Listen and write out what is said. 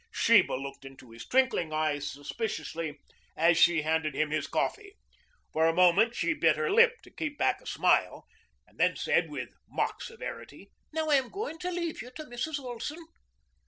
Sheba looked into his twinkling eyes suspiciously as she handed him his coffee. For a moment she bit her lip to keep back a smile, then said with mock severity, "Now, I am going to leave you to Mrs. Olson."